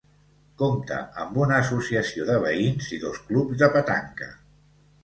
Compta amb una associació de veïns i dos clubs de petanca.